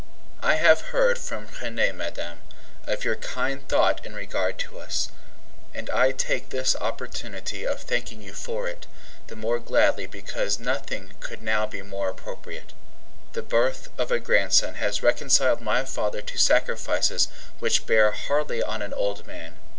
I have heard from Renee, madame, of your kind thought in regard to us, and I take this opportunity of thanking you for it, the more gladly because nothing could now be more appropriate. The birth of a grandson has reconciled my father to sacrifices which bear hardly on an old man.